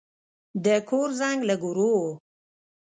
د کور زنګ لږ ورو و.